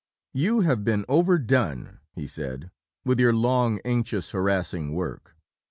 "You have been overdone," he said, "with your long, anxious, harassing work.